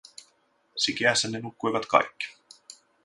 Sikeässä ne nukkuivat kaikki.